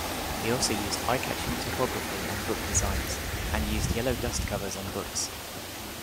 He also used eye-catching typography and book designs, and used yellow dust-covers on books.